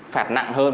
phạt nặng hơn